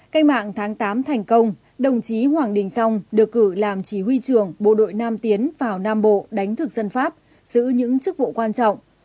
cách mạng tháng tám thành công đồng chí hoàng đình dòng được cử làm chỉ huy trưởng bộ đội nam tiến vào nam bộ đánh thực dân pháp giữ những chức vụ quan trọng